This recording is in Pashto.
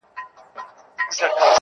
نن پرې را اوري له اسمانــــــــــه دوړي.